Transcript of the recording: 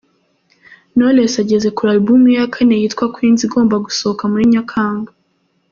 Knowless ageze kure album ye ya kane izaba yitwa Queens igomba gusohoka muri Nyakanga.